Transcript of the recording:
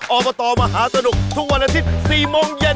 อบตมหาสนุกทุกวันอาทิตย์๔โมงเย็น